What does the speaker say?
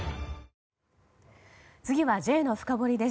次はＪのフカボリです。